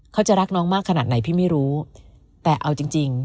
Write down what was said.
เขาจะรักน้องมากขนาดไหนพี่ไม่รู้แต่เอาจริงจริง